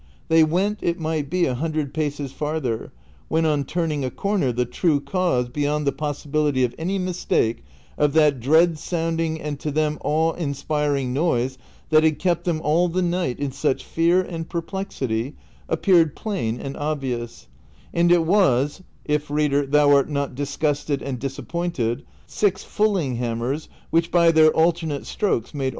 They went it might be a hundred paces farther, when on turning a corner the true cause, beyond the possibility of any mistake, of that dread sounding and to them awe in spiring noise that had kept them all the night in such fear and perplexity, appeared plain and obvious ; and it was (if, reader, thou art not disgusted and disappointed) six fulling hammers which by their alternate strokes made all the din.